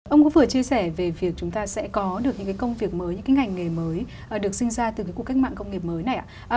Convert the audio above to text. ông có vừa chia sẻ về việc chúng ta sẽ có được những cái công việc mới những cái ngành nghề mới được sinh ra từ cái cuộc cách mạng công nghiệp mới này ạ